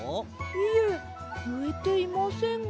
いえうえていませんが。